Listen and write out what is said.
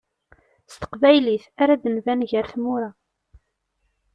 S teqbaylit ara d-nban gar tmura.